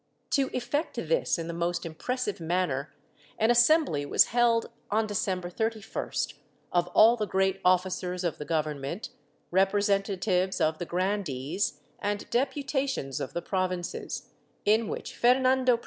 To effect this in the most impressive manner an assembly w^as held on December 31st of all the great officers of the Government, representatives of the grandees, and deputations of the provinces, in which Fernando presented a ' Koska Vayo, III, 342, 352, 358 68.